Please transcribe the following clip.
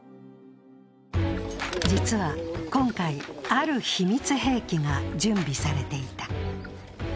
実は今回、ある秘密兵器が準備されていた。